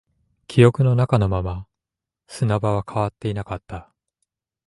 記憶の中のまま、砂場は変わっていなかった